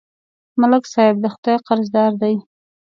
ملک صاحب د خدای قرضدار دی.